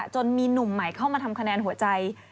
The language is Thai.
จนมีหนุ่มใหม่เข้ามาทำคะแนนหัวใจ